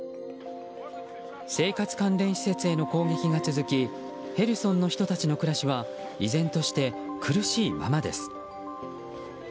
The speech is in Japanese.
生活関連施設への攻撃が続きヘルソンの人たちの暮らしは依然として苦しいままです。